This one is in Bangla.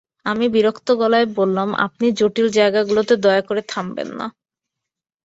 আমি বিরক্ত গলায় বললাম, আপনি জটিল জায়গাগুলিতে দয়া করে থামবেন না।